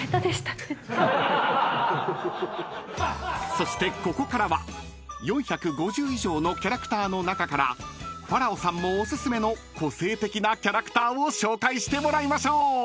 ［そしてここからは４５０以上のキャラクターの中からファラオさんもお薦めの個性的なキャラクターを紹介してもらいましょう！］